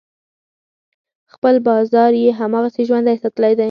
خپل بازار یې هماغسې ژوندی ساتلی دی.